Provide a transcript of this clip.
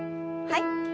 はい。